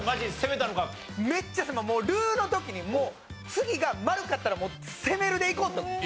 めっちゃ「る」の時に次が丸かったらもう「攻める」でいこうって。